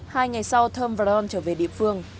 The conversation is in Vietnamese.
hai ngày sau thơm và ron trở về địa phương